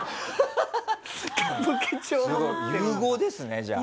すごい融合ですねじゃあ。